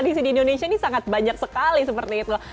di sini indonesia ini sangat banyak sekali seperti itu